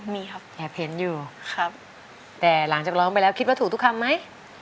มีครับแอบเห็นอยู่ครับแต่หลังจากร้องไปแล้วคิดว่าถูกทุกคำไหม